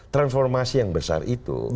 transformasi yang besar itu